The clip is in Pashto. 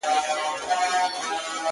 o اوښ د باره ولوېدی، د بړ بړه و نه لوېدی!